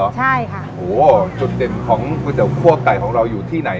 ใช่ค่ะโหจุดเด่นของก๋วยเตี๋คั่วไก่ของเราอยู่ที่ไหน